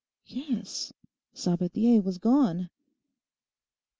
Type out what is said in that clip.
Yes, Sabathier was gone.